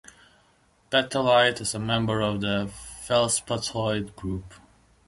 Petalite is a member of the feldspathoid group.